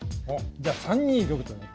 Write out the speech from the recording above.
じゃあ３二玉と。